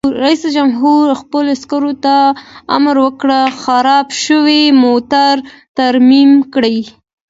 رئیس جمهور خپلو عسکرو ته امر وکړ؛ خراب شوي موټر ترمیم کړئ!